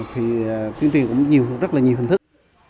thì tuyên truyền cũng rất là nhiều hình thức